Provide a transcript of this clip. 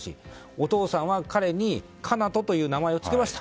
お父さんは彼に叶人という名前をつけました。